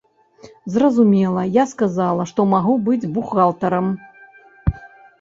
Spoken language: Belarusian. Зразумела, я сказала, што магу быць бухгалтарам.